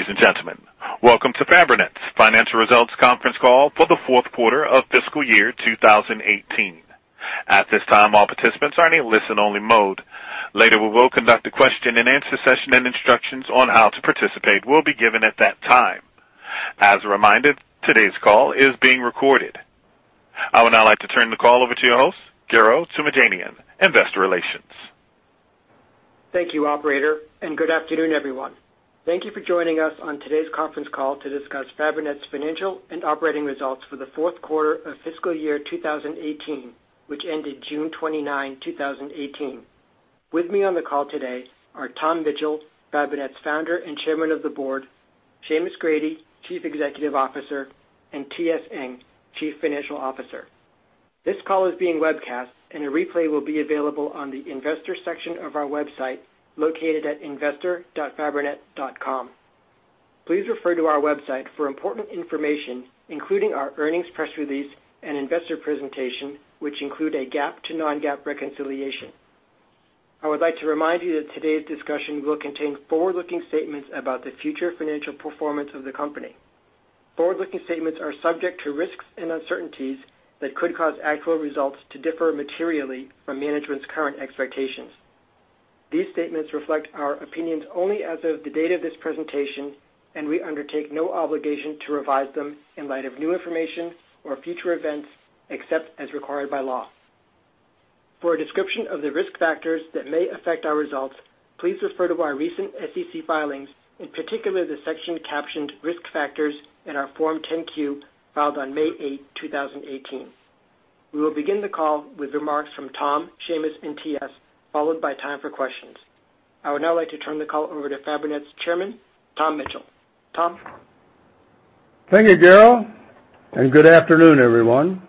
Ladies and gentlemen, welcome to Fabrinet's financial results conference call for the fourth quarter of fiscal year 2018. At this time, all participants are in a listen-only mode. Later, we will conduct a question-and-answer session, and instructions on how to participate will be given at that time. As a reminder, today's call is being recorded. I would now like to turn the call over to your host, Garo Toomajanian, Investor Relations. Thank you, operator. Good afternoon, everyone. Thank you for joining us on today's conference call to discuss Fabrinet's financial and operating results for the fourth quarter of fiscal year 2018, which ended June 29, 2018. With me on the call today are Tom Mitchell, Fabrinet's Founder and Chairman of the Board, Seamus Grady, Chief Executive Officer, and Toh-Seng Ng, Chief Financial Officer. This call is being webcast, and a replay will be available on the Investors section of our website, located at investor.fabrinet.com. Please refer to our website for important information, including our earnings press release and investor presentation, which include a GAAP to non-GAAP reconciliation. I would like to remind you that today's discussion will contain forward-looking statements about the future financial performance of the company. Forward-looking statements are subject to risks and uncertainties that could cause actual results to differ materially from management's current expectations. These statements reflect our opinions only as of the date of this presentation. We undertake no obligation to revise them in light of new information or future events, except as required by law. For a description of the risk factors that may affect our results, please refer to our recent SEC filings, in particular the section captioned Risk Factors in our Form 10-Q filed on May 8, 2018. We will begin the call with remarks from Tom, Seamus, and TS, followed by time for questions. I would now like to turn the call over to Fabrinet's chairman, Tom Mitchell. Tom? Thank you, Garo. Good afternoon, everyone.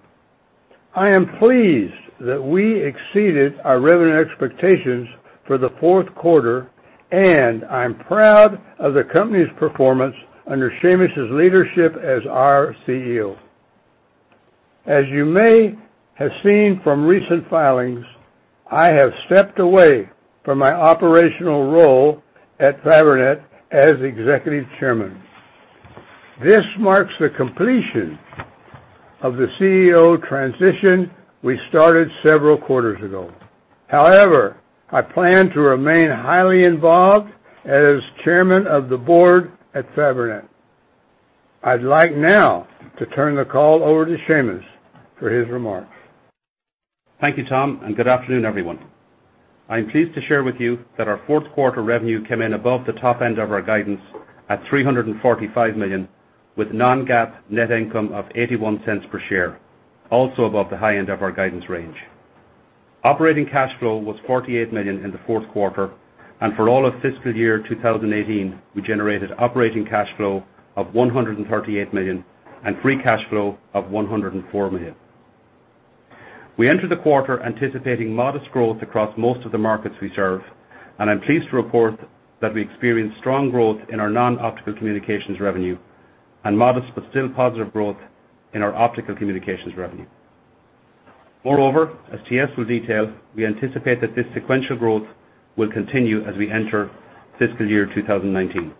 I am pleased that we exceeded our revenue expectations for the fourth quarter, and I'm proud of the company's performance under Seamus' leadership as our CEO. As you may have seen from recent filings, I have stepped away from my operational role at Fabrinet as executive chairman. This marks the completion of the CEO transition we started several quarters ago. However, I plan to remain highly involved as chairman of the board at Fabrinet. I'd like now to turn the call over to Seamus for his remarks. Thank you, Tom. Good afternoon, everyone. I'm pleased to share with you that our fourth quarter revenue came in above the top end of our guidance at $345 million, with non-GAAP net income of $0.81 per share, also above the high end of our guidance range. Operating cash flow was $48 million in the fourth quarter, and for all of FY 2018, we generated operating cash flow of $138 million and free cash flow of $104 million. We entered the quarter anticipating modest growth across most of the markets we serve, and I'm pleased to report that we experienced strong growth in our Non-Optical Communications revenue and modest, but still positive growth in our Optical Communications revenue. As TS will detail, we anticipate that this sequential growth will continue as we enter FY 2019.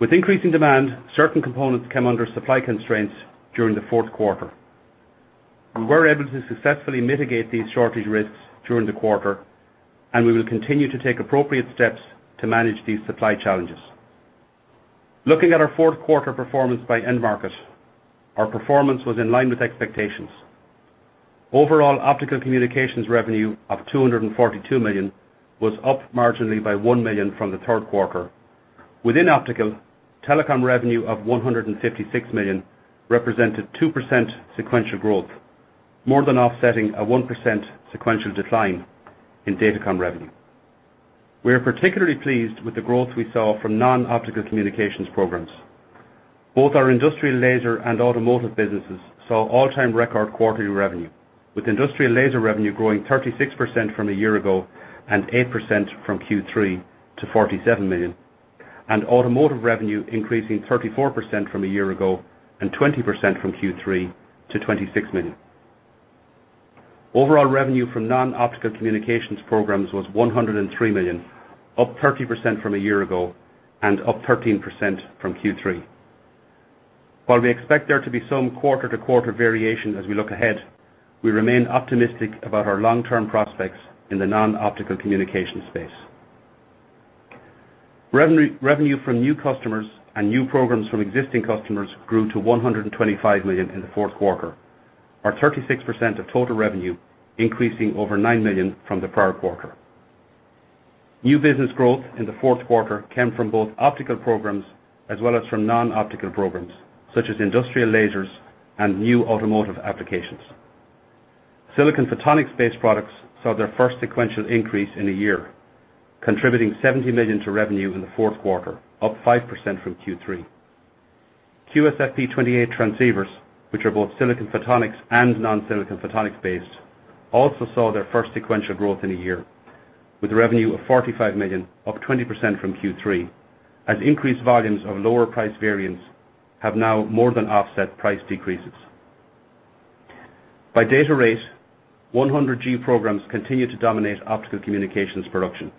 With increasing demand, certain components came under supply constraints during the fourth quarter. We were able to successfully mitigate these shortage risks during the quarter, and we will continue to take appropriate steps to manage these supply challenges. Looking at our fourth quarter performance by end market, our performance was in line with expectations. Overall, Optical Communications revenue of $242 million was up marginally by $1 million from the third quarter. Within optical, telecom revenue of $156 million represented 2% sequential growth, more than offsetting a 1% sequential decline in datacom revenue. We are particularly pleased with the growth we saw from Non-Optical Communications programs. Both our industrial laser and automotive businesses saw all-time record quarterly revenue, with industrial laser revenue growing 36% from a year ago and 8% from Q3 to $47 million, and automotive revenue increasing 34% from a year ago and 20% from Q3 to $26 million. Overall revenue from Non-Optical Communications programs was $103 million, up 30% from a year ago and up 13% from Q3. We expect there to be some quarter-to-quarter variation as we look ahead, we remain optimistic about our long-term prospects in the Non-Optical Communications space. Revenue from new customers and new programs from existing customers grew to $125 million in the fourth quarter, or 36% of total revenue, increasing over $9 million from the prior quarter. New business growth in the fourth quarter came from both optical programs as well as from Non-Optical Programs, such as industrial lasers and new automotive applications. Silicon photonics-based products saw their first sequential increase in a year, contributing $70 million to revenue in the fourth quarter, up 5% from Q3. QSFP28 transceivers, which are both Silicon photonics and non-Silicon photonics based, also saw their first sequential growth in a year, with revenue of $45 million, up 20% from Q3, as increased volumes of lower price variants have now more than offset price decreases. By data rate, 100G programs continue to dominate Optical Communications production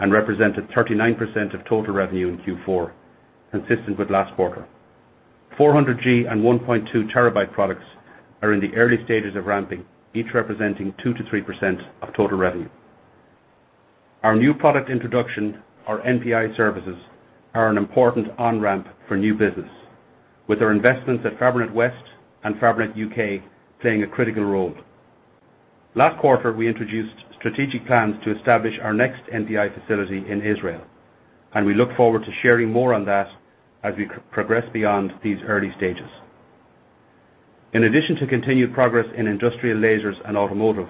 and represented 39% of total revenue in Q4, consistent with last quarter. 400G and 1.2 terabyte products are in the early stages of ramping, each representing 2%-3% of total revenue. Our new product introduction, our NPI services, are an important on-ramp for new business, with our investments at Fabrinet West and Fabrinet UK playing a critical role. Last quarter, we introduced strategic plans to establish our next NPI facility in Israel, and we look forward to sharing more on that as we progress beyond these early stages. In addition to continued progress in industrial lasers and automotive,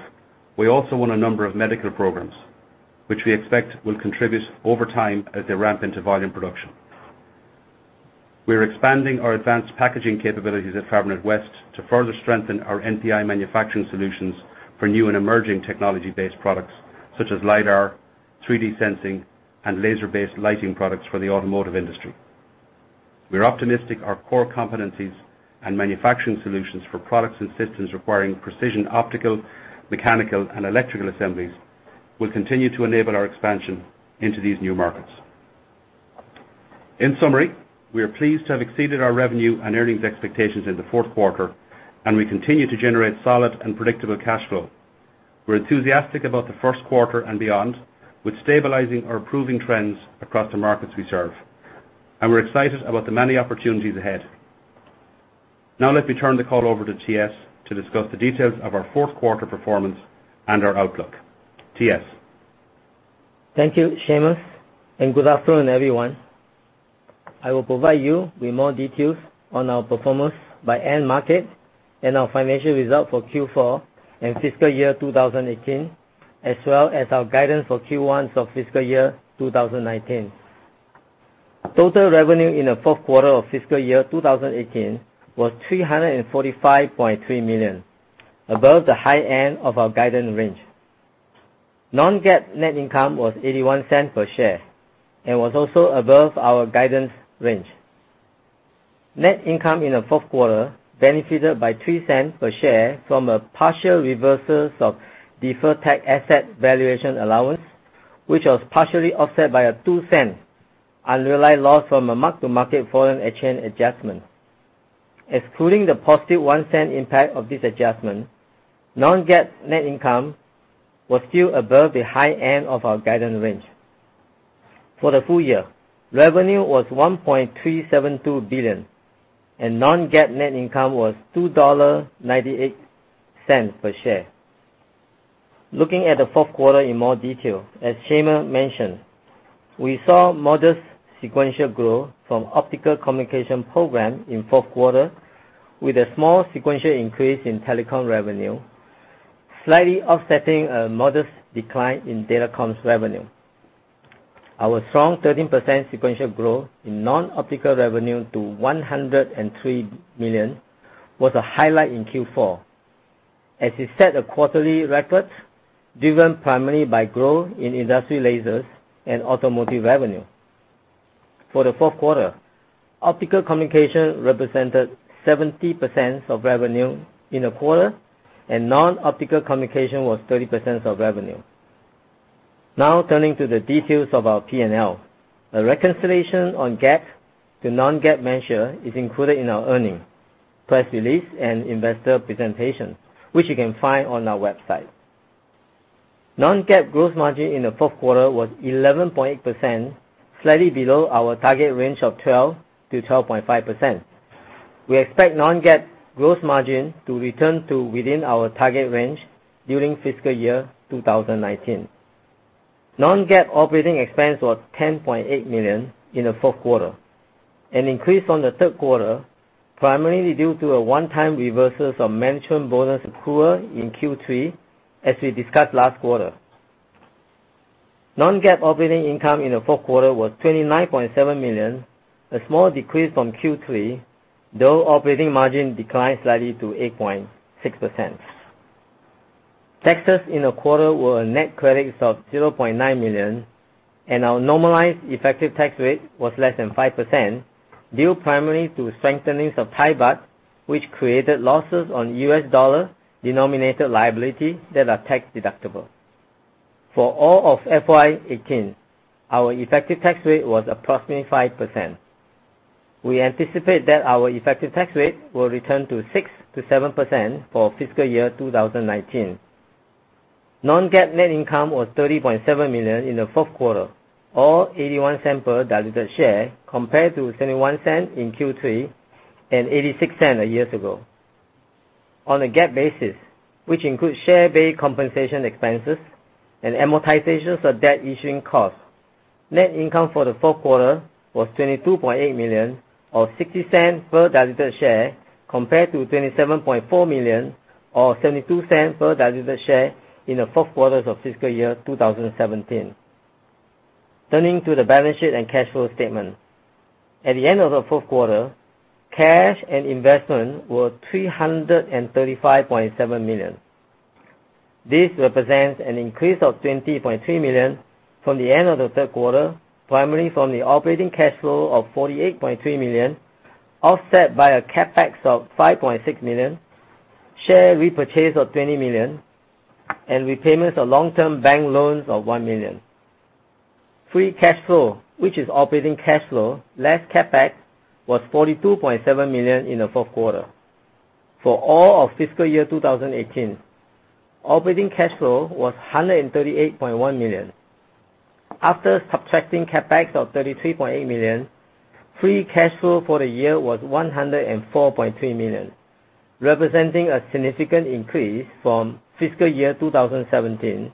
we also won a number of medical programs, which we expect will contribute over time as they ramp into volume production. We're expanding our advanced packaging capabilities at Fabrinet West to further strengthen our NPI manufacturing solutions for new and emerging technology-based products such as LIDAR, 3D sensing, and laser-based lighting products for the automotive industry. We're optimistic our core competencies and manufacturing solutions for products and systems requiring precision optical, mechanical, and electrical assemblies will continue to enable our expansion into these new markets. In summary, we are pleased to have exceeded our revenue and earnings expectations in the fourth quarter, and we continue to generate solid and predictable cash flow. We're enthusiastic about the first quarter and beyond, with stabilizing or improving trends across the markets we serve. We're excited about the many opportunities ahead. Now let me turn the call over to TS to discuss the details of our fourth quarter performance and our outlook. TS. Thank you, Seamus, and good afternoon, everyone. I will provide you with more details on our performance by end market and our financial results for Q4 and fiscal year 2018, as well as our guidance for Q1 of fiscal year 2019. Total revenue in the fourth quarter of fiscal year 2018 was $345.3 million, above the high end of our guidance range. Non-GAAP net income was $0.81 per share and was also above our guidance range. Net income in the fourth quarter benefited by $0.03 per share from a partial reversal of deferred tax asset valuation allowance, which was partially offset by a $0.02 unrealized loss from a mark-to-market foreign exchange adjustment. Excluding the positive $0.01 impact of this adjustment, non-GAAP net income was still above the high end of our guidance range. For the full year, revenue was $1.372 billion and non-GAAP net income was $2.98 per share. Looking at the fourth quarter in more detail, as Seamus mentioned, we saw modest sequential growth from optical communication program in fourth quarter with a small sequential increase in telecom revenue, slightly offsetting a modest decline in datacom's revenue. Our strong 13% sequential growth in non-optical revenue to $103 million was a highlight in Q4, as it set a quarterly record driven primarily by growth in industry lasers and automotive revenue. For the fourth quarter, optical communication represented 70% of revenue in the quarter, and non-optical communication was 30% of revenue. Turning to the details of our P&L. A reconciliation on GAAP to non-GAAP measure is included in our earnings press release and investor presentation, which you can find on our website. Non-GAAP gross margin in the fourth quarter was 11.8%, slightly below our target range of 12%-12.5%. We expect non-GAAP gross margin to return to within our target range during fiscal year 2019. Non-GAAP operating expense was $10.8 million in the fourth quarter, an increase from the third quarter, primarily due to a one-time reversal of management bonus accrual in Q3 as we discussed last quarter. Non-GAAP operating income in the fourth quarter was $29.7 million, a small decrease from Q3, though operating margin declined slightly to 8.6%. Taxes in the quarter were a net credit of $0.9 million, and our normalized effective tax rate was less than 5%, due primarily to strengthening of Thai baht, which created losses on US dollar-denominated liability that are tax deductible. For all of FY 2018, our effective tax rate was approximately 5%. We anticipate that our effective tax rate will return to 6%-7% for fiscal year 2019. Non-GAAP net income was $30.7 million in the fourth quarter, or $0.81 per diluted share, compared to $0.71 in Q3 and $0.86 a year ago. On a GAAP basis, which includes share-based compensation expenses and amortizations of debt issuing cost, net income for the fourth quarter was $22.8 million, or $0.60 per diluted share, compared to $27.4 million or $0.72 per diluted share in the fourth quarter of fiscal year 2017. Turning to the balance sheet and cash flow statement. At the end of the fourth quarter, cash and investment were $335.7 million. This represents an increase of $20.3 million from the end of the third quarter, primarily from the operating cash flow of $48.3 million, offset by a CapEx of $5.6 million, share repurchase of $20 million, and repayments of long-term bank loans of $1 million. Free cash flow, which is operating cash flow less CapEx, was $42.7 million in the fourth quarter. For all of fiscal year 2018, operating cash flow was $138.1 million. After subtracting CapEx of $33.8 million, free cash flow for the year was $104.3 million, representing a significant increase from fiscal year 2017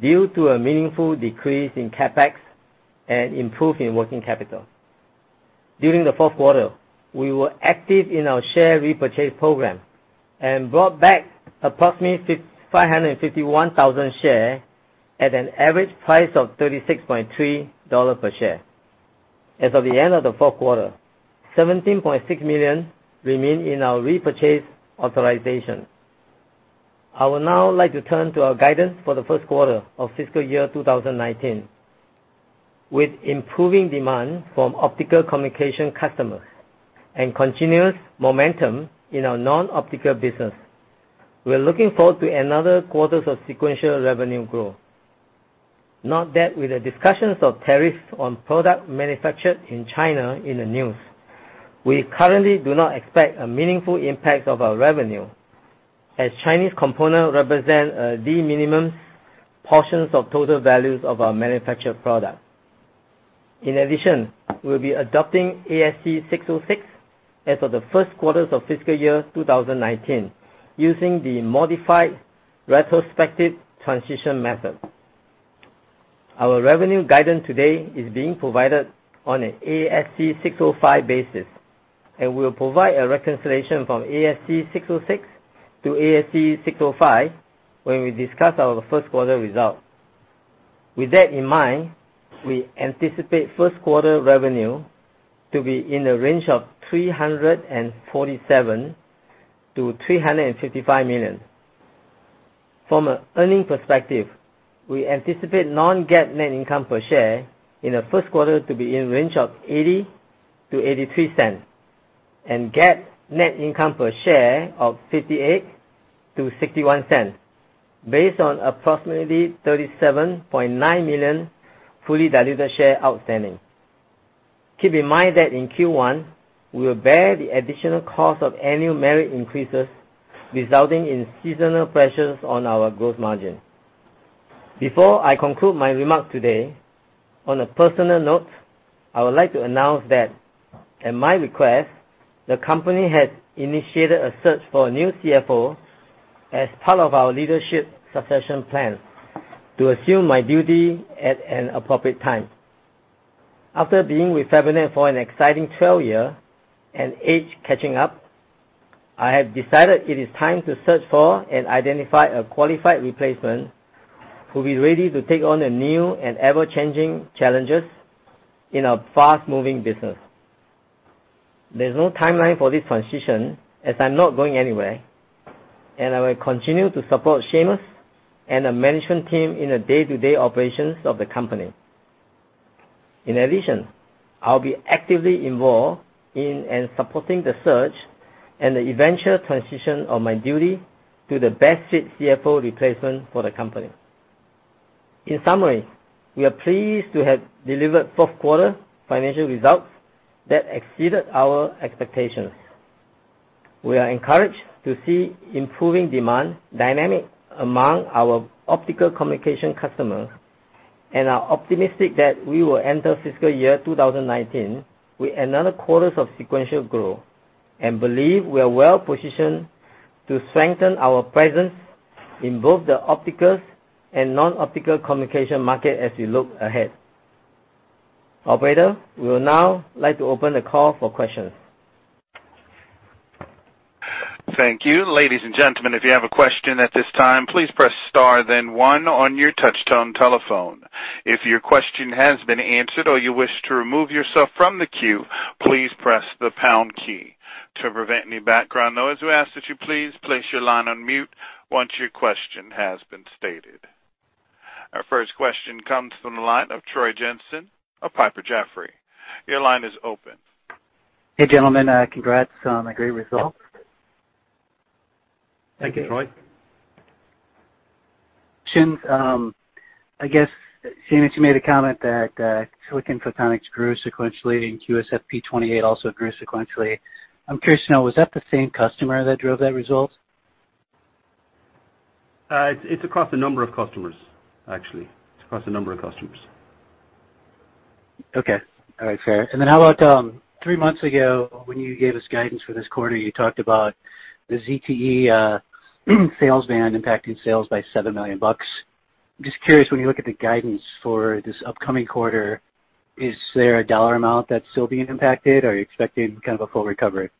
due to a meaningful decrease in CapEx and improvement in working capital. During the fourth quarter, we were active in our share repurchase program and brought back approximately 551,000 shares at an average price of $36.3 per share. As of the end of the fourth quarter, $17.6 million remain in our repurchase authorization. I would now like to turn to our guidance for the first quarter of fiscal year 2019. With improving demand from optical communication customers and continuous momentum in our non-optical business, we're looking forward to another quarter of sequential revenue growth. Note that with the discussions of tariffs on product manufactured in China in the news, we currently do not expect a meaningful impact of our revenue, as Chinese components represent a de minimis portion of total values of our manufactured product. In addition, we'll be adopting ASC 606 as of the first quarter of fiscal year 2019 using the modified retrospective transition method. Our revenue guidance today is being provided on an ASC 605 basis, and we'll provide a reconciliation from ASC 606 to ASC 605 when we discuss our first quarter results. With that in mind, we anticipate first quarter revenue to be in the range of $347 million-$355 million. From an earning perspective, we anticipate non-GAAP net income per share in the first quarter to be in range of $0.80-$0.83, and GAAP net income per share of $0.58-$0.61 based on approximately 37.9 million fully diluted share outstanding. Keep in mind that in Q1, we will bear the additional cost of annual merit increases, resulting in seasonal pressures on our gross margin. Before I conclude my remarks today, on a personal note, I would like to announce that at my request, the company has initiated a search for a new CFO as part of our leadership succession plan to assume my duty at an appropriate time. After being with Fabrinet for an exciting 12 year and age catching up, I have decided it is time to search for and identify a qualified replacement who'll be ready to take on the new and ever-changing challenges in a fast-moving business. There's no timeline for this transition, as I'm not going anywhere, and I will continue to support Seamus and the management team in the day-to-day operations of the company. In addition, I'll be actively involved in and supporting the search and the eventual transition of my duty to the best fit CFO replacement for the company. In summary, we are pleased to have delivered fourth quarter financial results that exceeded our expectations. We are encouraged to see improving demand dynamic among our optical communication customer and are optimistic that we will enter fiscal year 2019 with another quarters of sequential growth and believe we are well-positioned to strengthen our presence in both the opticals and non-optical communication market as we look ahead. Operator, we would now like to open the call for questions. Thank you. Ladies and gentlemen, if you have a question at this time, please press star then one on your touch tone telephone. If your question has been answered or you wish to remove yourself from the queue, please press the pound key. To prevent any background noise, we ask that you please place your line on mute once your question has been stated. Our first question comes from the line of Troy Jensen of Piper Jaffray. Your line is open. Hey, gentlemen. Congrats on a great result. Thank you. Thank you, Troy. Shins, I guess, Seamus, you made a comment that silicon photonics grew sequentially and QSFP28 also grew sequentially. I'm curious to know, was that the same customer that drove that result? It's across a number of customers, actually. It's across a number of customers. Okay. All right, fair. How about, three months ago when you gave us guidance for this quarter, you talked about the ZTE sales ban impacting sales by $7 million. I'm just curious, when you look at the guidance for this upcoming quarter, is there a dollar amount that's still being impacted? Are you expecting kind of a full recovery?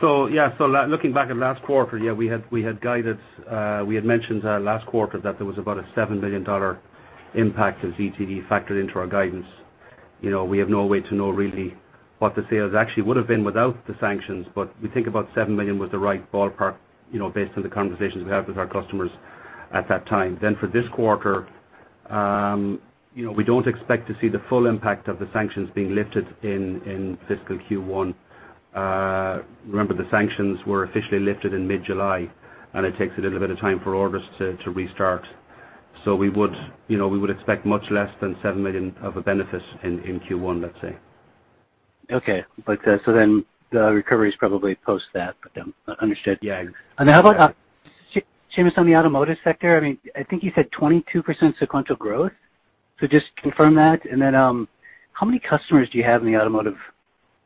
Yeah, looking back at last quarter, we had mentioned last quarter that there was about a $7 million impact of ZTE factored into our guidance. We have no way to know really what the sales actually would've been without the sanctions, but we think about $7 million was the right ballpark, based on the conversations we had with our customers at that time. For this quarter, we don't expect to see the full impact of the sanctions being lifted in fiscal Q1. Remember, the sanctions were officially lifted in mid-July, and it takes a little bit of time for orders to restart. We would expect much less than $7 million of a benefit in Q1, let's say. Okay. The recovery's probably post that, but understood. How about, Seamus, on the automotive sector, I think you said 22% sequential growth. Just confirm that, and then how many customers do you have in the automotive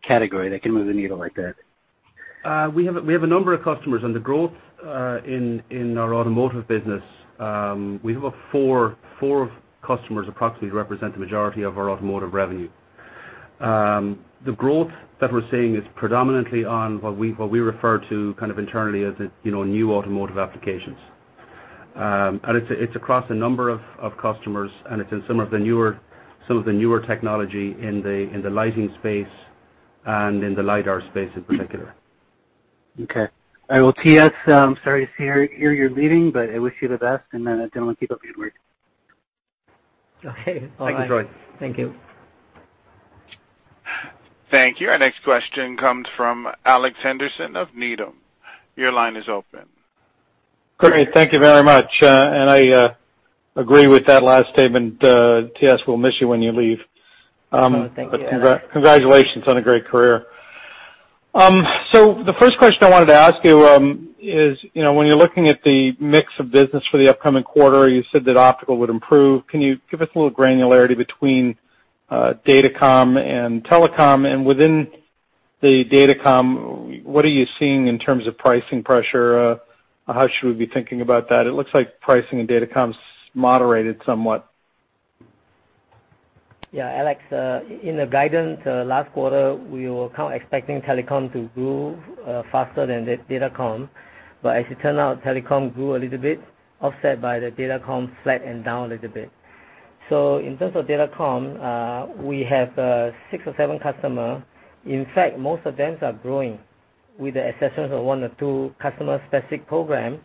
category that can move the needle like that? We have a number of customers, and the growth in our automotive business, we have four customers approximately represent the majority of our automotive revenue. The growth that we're seeing is predominantly on what we refer to kind of internally as new automotive applications. It's across a number of customers, and it's in some of the newer technology in the lighting space and in the LIDAR space in particular. Okay. All right, well, TS, I'm sorry to hear you're leaving, but I wish you the best, and then I don't want to keep up your work. Okay. Bye. Thank you, Troy. Thank you. Thank you. Our next question comes from Alex Henderson of Needham & Company. Your line is open. Great. Thank you very much. I agree with that last statement, TS, we'll miss you when you leave. Oh, thank you. Congratulations on a great career. The first question I wanted to ask you is, when you're looking at the mix of business for the upcoming quarter, you said that optical would improve. Can you give us a little granularity between datacom and telecom? Within the datacom, what are you seeing in terms of pricing pressure? How should we be thinking about that? It looks like pricing in datacom's moderated somewhat. Alex, in the guidance, last quarter, we were kind of expecting telecom to grow faster than datacom. As it turned out, telecom grew a little bit, offset by the datacom flat and down a little bit. In terms of datacom, we have six or seven customer. In fact, most of them are growing with the exceptions of one or two customer-specific program,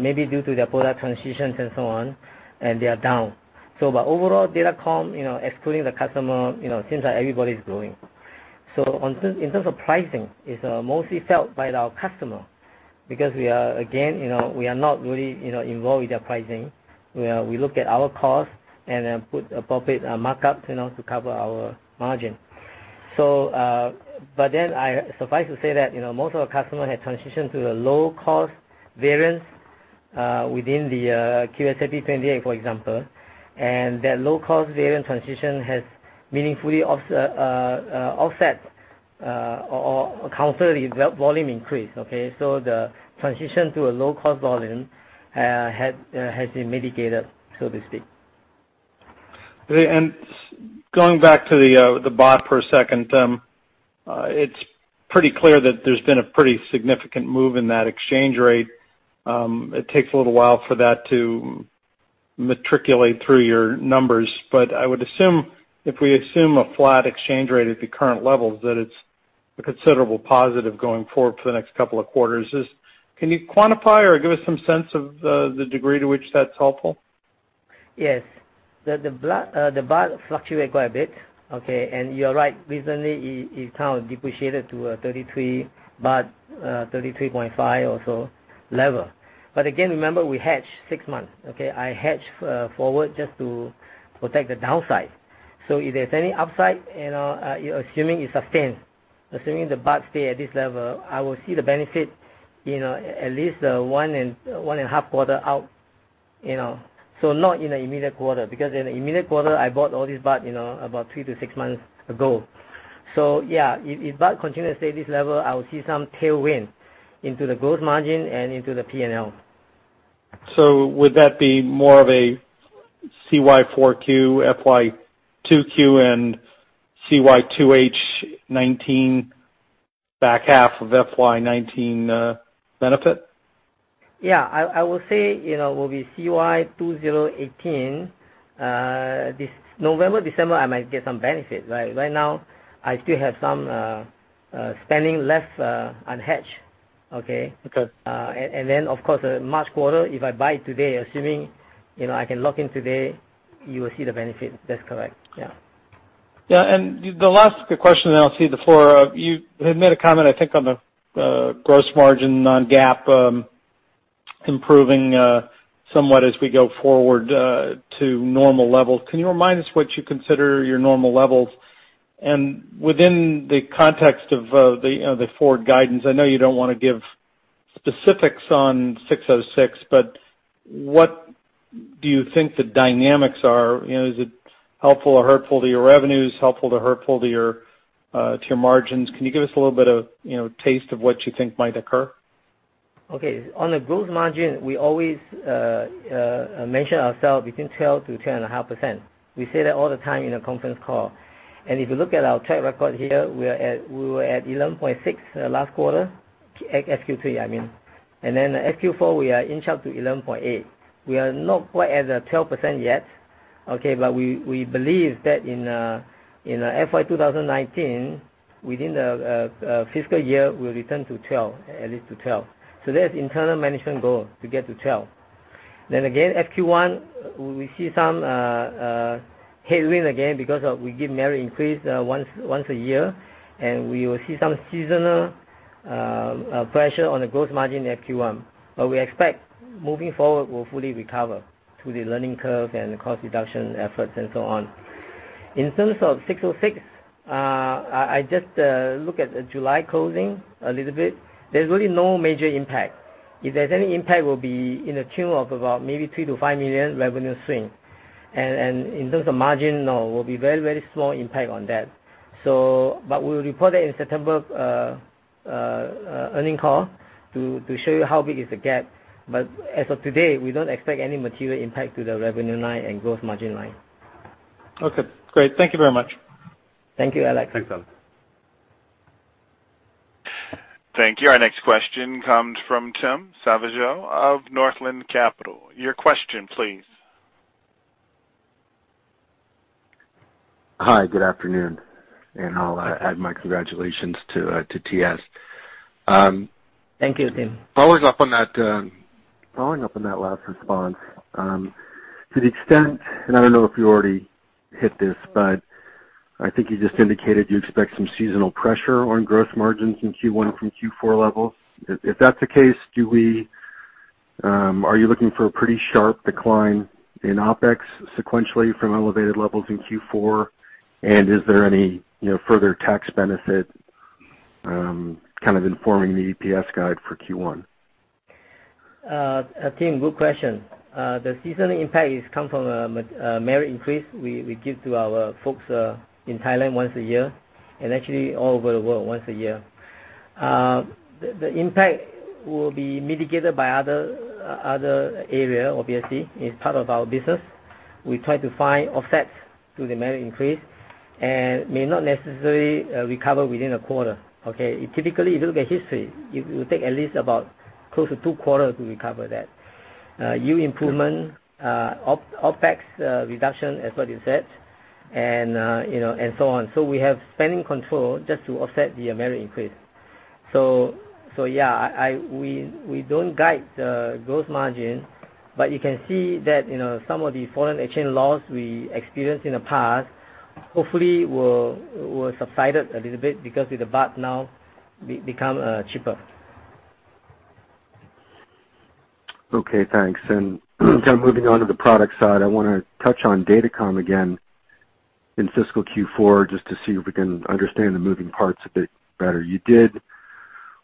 maybe due to their product transitions and so on, and they are down. Overall, datacom, excluding the customer, it seems like everybody's growing. In terms of pricing, it's mostly felt by our customer because we are, again, we are not really involved with their pricing. We look at our cost and then put appropriate markups to cover our margin. Suffice to say that most of our customer had transitioned to the low-cost variance, within the QSFP28, for example. That low-cost variant transition has meaningfully offset or counter the volume increase, okay? The transition to a low-cost volume has been mitigated, so to speak. Okay, going back to the baht for a second, it's pretty clear that there's been a pretty significant move in that exchange rate. It takes a little while for that to matriculate through your numbers. I would assume, if we assume a flat exchange rate at the current levels, that it's a considerable positive going forward for the next couple of quarters. Can you quantify or give us some sense of the degree to which that's helpful? Yes. The THB fluctuates quite a bit, okay. You're right, recently, it kind of depreciated to 33, 33.5 or so level. Again, remember, we hedge six months, okay. I hedge forward just to protect the downside. If there's any upside, assuming it sustains, assuming the THB stays at this level, I will see the benefit at least one and a half quarter out. Not in the immediate quarter, because in the immediate quarter, I bought all these THB about three to six months ago. Yeah, if THB continues to stay at this level, I will see some tailwind into the growth margin and into the P&L. Would that be more of a CY4Q, FY 2Q, and CY 2H 2019 back half of FY 2019 benefit? Yeah, I will say, it will be CY 2018. November, December, I might get some benefit. Right now, I still have some spending left unhedged, okay. Okay. Of course, March quarter, if I buy today, assuming I can lock in today, you will see the benefit. That's correct. Yeah. The last question, then I'll cede the floor. You had made a comment, I think, on the gross margin non-GAAP improving somewhat as we go forward to normal levels. Can you remind us what you consider your normal levels? Within the context of the forward guidance, I know you don't want to give specifics on 606, but what do you think the dynamics are? Is it helpful or hurtful to your revenues, helpful to hurtful to your margins? Can you give us a little bit of taste of what you think might occur? Okay. On the gross margin, we always mention ourself between 12% to 10.5%. We say that all the time in a conference call. If you look at our track record here, we were at 11.6% last quarter, FQ3, I mean. Then in FQ4, we are on track to 11.8%. We are not quite at the 12% yet, okay, but we believe that in FY 2019, within the fiscal year, we'll return to 12%, at least to 12%. That's internal management goal, to get to 12%. Again, FQ1, we see some headwind again because we give merit increase once a year, and we will see some seasonal pressure on the gross margin in FQ1, but we expect moving forward, we'll fully recover through the learning curve and the cost reduction efforts and so on. In terms of 606, I just look at the July closing a little bit. There's really no major impact. If there's any impact, it will be in the tune of about maybe $3 million-$5 million revenue swing. In terms of margin, no, will be very small impact on that. We'll report that in September earnings call to show you how big is the gap. As of today, we don't expect any material impact to the revenue line and gross margin line. Okay, great. Thank you very much. Thank you, Alex. Thanks, Alex. Thank you. Our next question comes from Tim Savageaux of Northland Capital. Your question please. Hi, good afternoon, I'll add my congratulations to TS. Thank you, Tim. Following up on that last response, to the extent, I don't know if you already hit this, but I think you just indicated you expect some seasonal pressure on gross margins in Q1 from Q4 levels. If that's the case, are you looking for a pretty sharp decline in OpEx sequentially from elevated levels in Q4? Is there any further tax benefit kind of informing the EPS guide for Q1? Tim, good question. The seasonal impact has come from a merit increase we give to our folks in Thailand once a year, and actually all over the world once a year. The impact will be mitigated by other area, obviously, it's part of our business. We try to find offsets to the merit increase and may not necessarily recover within a quarter, okay? Typically, if you look at history, it will take at least about close to two quarters to recover that. New improvement, OpEx reduction, as what you said, and so on. We have spending control just to offset the merit increase. Yeah, we don't guide the growth margin, but you can see that some of the foreign exchange loss we experienced in the past hopefully will subsided a little bit because with the Baht now become cheaper. Okay, thanks. Kind of moving on to the product side, I want to touch on Datacom again in fiscal Q4, just to see if we can understand the moving parts a bit better. You did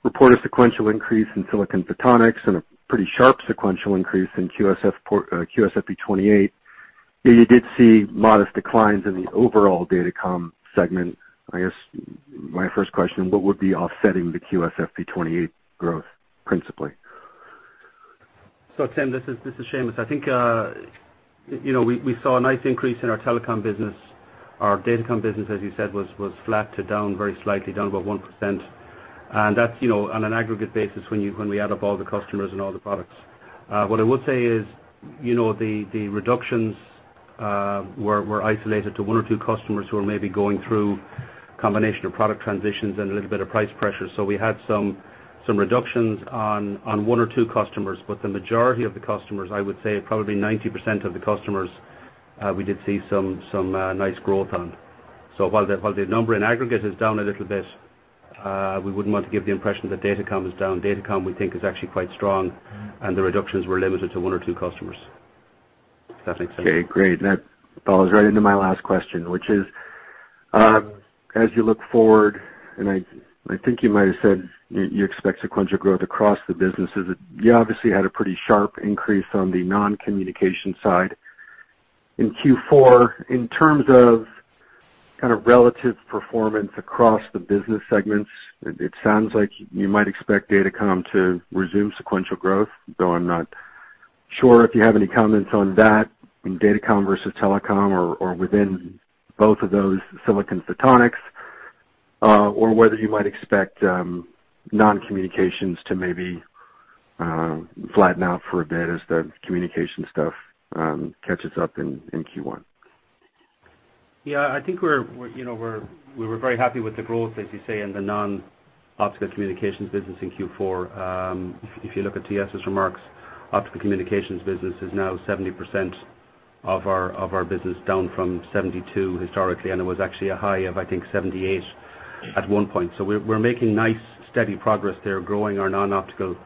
report a sequential increase in silicon photonics and a pretty sharp sequential increase in QSFP28, yet you did see modest declines in the overall Datacom segment. I guess my first question, what would be offsetting the QSFP28 growth principally? Tim, this is Seamus. I think we saw a nice increase in our Telecom business. Our Datacom business, as you said, was flat to down very slightly, down about 1%, and that's on an aggregate basis when we add up all the customers and all the products. I would say the reductions were isolated to one or two customers who are maybe going through combination of product transitions and a little bit of price pressure. We had some reductions on one or two customers. The majority of the customers, I would say probably 90% of the customers, we did see some nice growth on. While the number in aggregate is down a little bit, we wouldn't want to give the impression that Datacom is down. Datacom, we think, is actually quite strong, and the reductions were limited to one or two customers. If that makes sense. Okay, great. That follows right into my last question, which is, as you look forward, I think you might have said you expect sequential growth across the businesses, you obviously had a pretty sharp increase on the non-communication side in Q4. In terms of kind of relative performance across the business segments, it sounds like you might expect Datacom to resume sequential growth, though I'm not sure if you have any comments on that, in Datacom versus Telecom or within both of those silicon photonics, or whether you might expect non-communications to maybe flatten out for a bit as the communication stuff catches up in Q1. Yeah, I think we were very happy with the growth, as you say, in the non-optical communications business in Q4. If you look at T.S.'s remarks, optical communications business is now 70% of our business, down from 72 historically, and it was actually a high of, I think, 78 at one point. We're making nice, steady progress there, growing our non-optical communications business,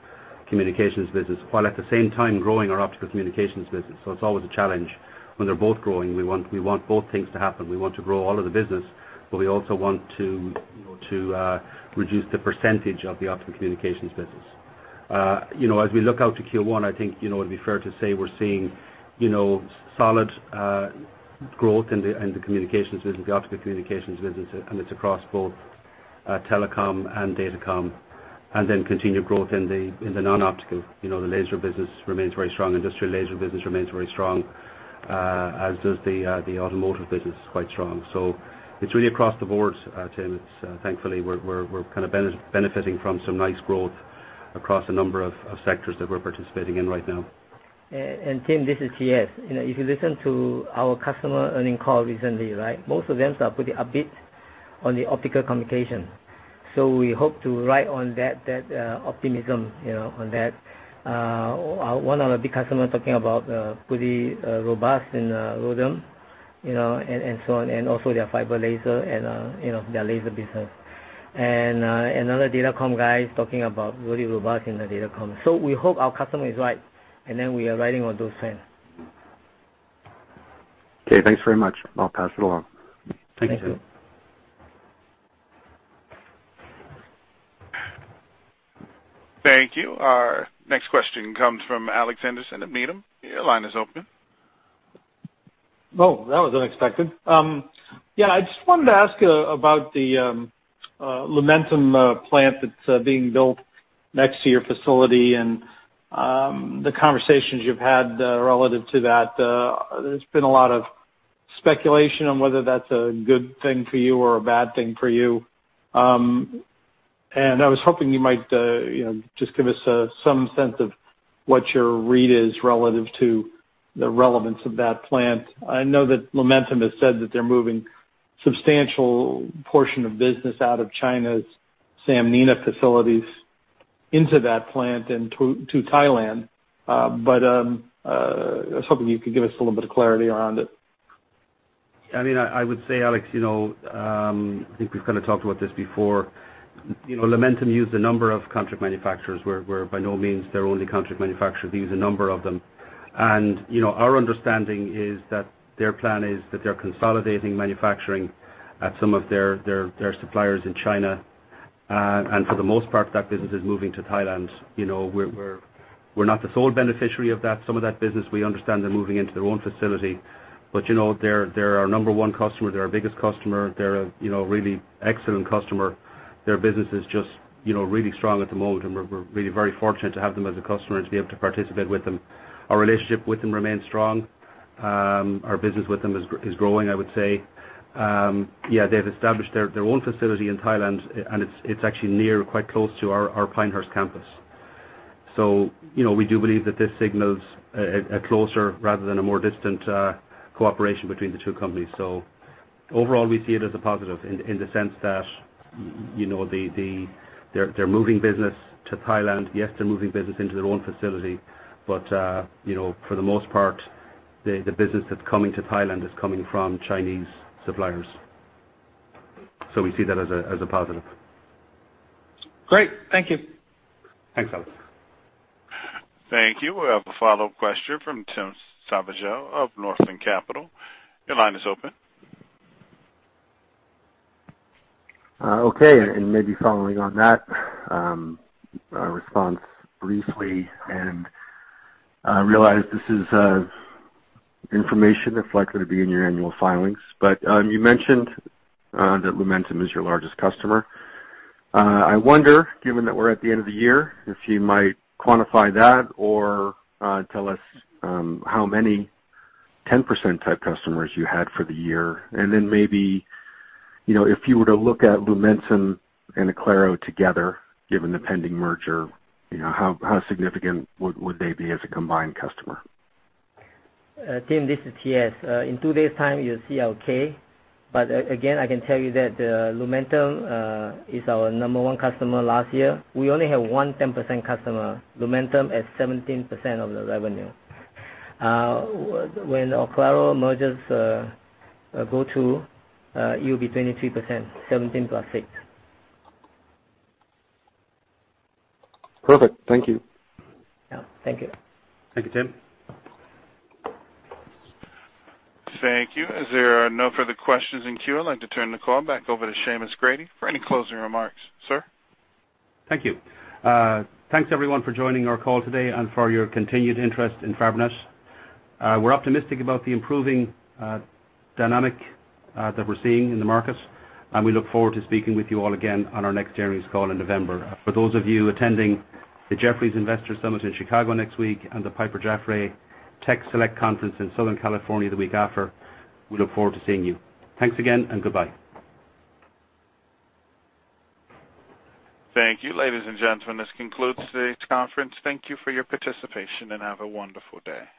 while at the same time growing our optical communications business. It's always a challenge when they're both growing. We want both things to happen. We want to grow all of the business, but we also want to reduce the percentage of the optical communications business. As we look out to Q1, I think it would be fair to say we're seeing solid growth in the communications business, the optical communications business, and it's across both Telecom and Datacom, and then continued growth in the non-optical. The laser business remains very strong. Industrial laser business remains very strong. As does the automotive business, quite strong. It's really across the board, Tim. Thankfully, we're kind of benefiting from some nice growth across a number of sectors that we're participating in right now. Tim, this is TS. If you listen to our customer earnings call recently, right? Most of them are pretty upbeat on the optical communication. We hope to ride on that optimism. One of the big customers talking about pretty robust in ROADM and so on, and also their fiber laser and their laser business. Another datacom guy is talking about really robust in the datacom. We hope our customer is right, and then we are riding on those trends. Okay, thanks very much. I'll pass it along. Thank you. Thank you. Thank you. Our next question comes from Alex Henderson of Needham. Your line is open. That was unexpected. I just wanted to ask about the Lumentum plant that's being built next to your facility and the conversations you've had relative to that. There's been a lot of speculation on whether that's a good thing for you or a bad thing for you. I was hoping you might just give us some sense of what your read is relative to the relevance of that plant. I know that Lumentum has said that they're moving substantial portion of business out of China's Sanmina facilities into that plant and to Thailand. I was hoping you could give us a little bit of clarity around it. I would say, Alex, I think we've kind of talked about this before. Lumentum used a number of contract manufacturers. We're by no means their only contract manufacturer. They use a number of them. Our understanding is that their plan is that they're consolidating manufacturing at some of their suppliers in China. For the most part, that business is moving to Thailand. We're not the sole beneficiary of that. Some of that business, we understand they're moving into their own facility. They're our number one customer, they're our biggest customer, they're a really excellent customer. Their business is just really strong at the moment, and we're really very fortunate to have them as a customer and to be able to participate with them. Our relationship with them remains strong. Our business with them is growing, I would say. Yeah, they've established their own facility in Thailand, and it's actually near, quite close to our Pinehurst Campus. We do believe that this signals a closer rather than a more distant cooperation between the two companies. Overall, we see it as a positive in the sense that they're moving business to Thailand. Yes, they're moving business into their own facility, but for the most part, the business that's coming to Thailand is coming from Chinese suppliers. We see that as a positive. Great. Thank you. Thanks, Alex. Thank you. We have a follow-up question from Tim Savageaux of Northland Capital. Your line is open. Okay, maybe following on that response briefly, I realize this is information that's likely to be in your annual filings, you mentioned that Lumentum is your largest customer. I wonder, given that we're at the end of the year, if you might quantify that or tell us how many 10%-type customers you had for the year. Then maybe, if you were to look at Lumentum and Oclaro together, given the pending merger, how significant would they be as a combined customer? Tim, this is TS. In two days' time, you'll see our K. Again, I can tell you that Lumentum is our number one customer last year. We only have one 10% customer, Lumentum at 17% of the revenue. When Oclaro merges, it will be 23%, 17 plus six. Perfect. Thank you. Yeah. Thank you. Thank you, Tim. Thank you. As there are no further questions in queue, I'd like to turn the call back over to Seamus Grady for any closing remarks, sir. Thank you. Thanks, everyone for joining our call today and for your continued interest in Fabrinet. We're optimistic about the improving dynamic that we're seeing in the markets, and we look forward to speaking with you all again on our next earnings call in November. For those of you attending the Jefferies Investor Summit in Chicago next week and the Piper Jaffray Tech Select Conference in Southern California the week after, we look forward to seeing you. Thanks again and goodbye. Thank you, ladies and gentlemen. This concludes today's conference. Thank you for your participation, and have a wonderful day.